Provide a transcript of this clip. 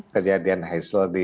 kejadian heysel di inggris